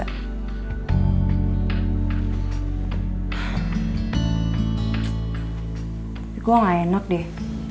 tapi kok gak enak deh